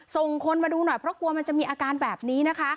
ส่งคนมาดูหน่อยเพราะกลัวมันจะมีอาการแบบนี้นะคะ